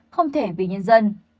không thể vì nhân dân